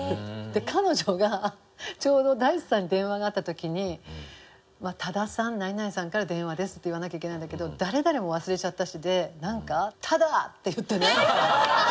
で彼女がちょうど大地さんに電話があった時に「多田さん何々さんから電話です」って言わなきゃいけないんだけど「誰々」も忘れちゃったしでなんか「多田！！」って言ってね。